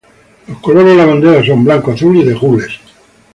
Los colores de la bandera son: blanco, azul y de gules.